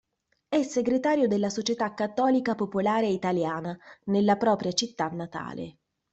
È segretario della Società Cattolica Popolare Italiana nella propria città natale.